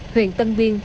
huyện tân biên